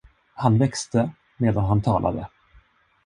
Han växte, medan han talade.